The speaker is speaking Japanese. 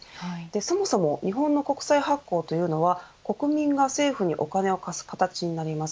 そもそも日本の国債発行というのは国民が政府にお金を貸す形になります。